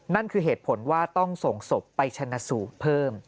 นั่นคือเหตุผลว่าต้องส่งศพไปชนะสูตรเพิ่ม